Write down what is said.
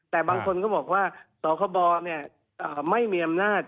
แต่บางคนก็บอกว่าสคบไม่มีอำนาจ